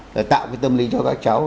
là tạo cái tâm lý cho các cháu